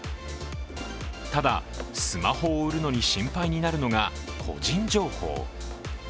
ただ、スマホを売るのに心配になるのが個人情報。